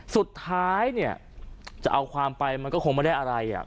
สุดท้ายเนี่ยจะเอาความไปมันก็คงไม่ได้อะไรอ่ะ